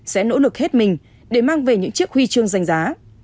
sẽ nỗ lực hết mình để mang về những chiếc huy chương danh giá